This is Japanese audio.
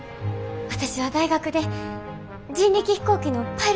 私は大学で人力飛行機のパイロットをやりました。